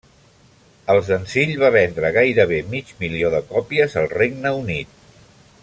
El senzill va vendre gairebé mig milió de còpies al Regne Unit.